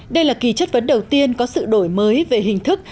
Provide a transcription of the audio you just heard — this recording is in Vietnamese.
đây là kỳ chất vấn đầu tiên có sự đổi mới về hình thức